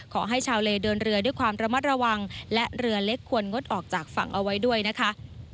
ชาวเลเดินเรือด้วยความระมัดระวังและเรือเล็กควรงดออกจากฝั่งเอาไว้ด้วยนะคะ